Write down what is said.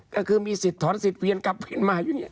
ก็คือมีสิทธิ์ถอนสิทธิเวียนกลับเวียนมาอยู่เนี่ย